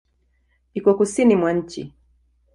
Iko kusini mwa nchi.